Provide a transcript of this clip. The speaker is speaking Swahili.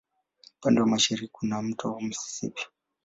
Upande wa mashariki kuna wa Mto Mississippi.